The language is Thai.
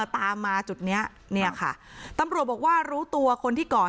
อ๋อตามมาจุดนี้